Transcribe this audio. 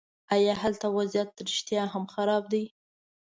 ایا هلته وضعیت رښتیا هم خراب دی.